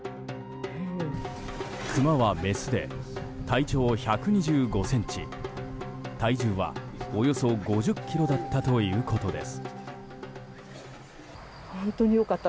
クマはメスで、体長１２５ｃｍ体重はおよそ５０ｋｇだったということです。